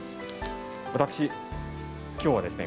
私今日はですね